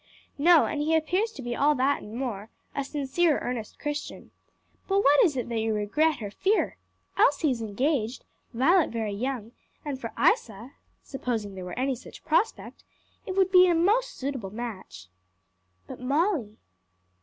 "No; and he appears to be all that, and more a sincere, earnest Christian. But what is it that you regret or fear? Elsie is engaged, Violet very young, and for Isa supposing there were any such prospect it would be a most suitable match." "But Molly?"